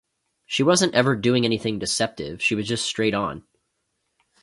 She wasn't ever doing anything deceptive, she was just straight-on.